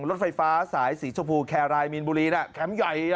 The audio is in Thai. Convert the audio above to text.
รถไฟฟ้าสายสีชมพูแครายมีนบุรีนะแคมป์ใหญ่